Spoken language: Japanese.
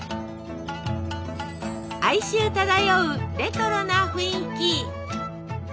哀愁漂うレトロな雰囲気。